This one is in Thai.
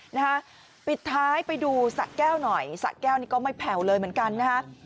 นะฮะปิดท้ายไปดูสะแก้วหน่อยสะแก้วนี่ก็ไม่แผ่วเลยเหมือนกันนะฮะ